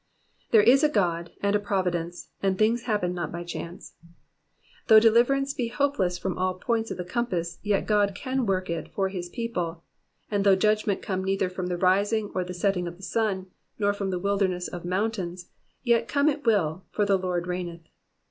'*'* There is a God, and a providence, and things happen not by chance. Though deliverance be hopeless from all points of the compass, yet God can work it for his people ; and though judgment come neither frum the rising or the setting of the sun, nor from the wilderness of mountains, yet come it will, for the Lord reigneth.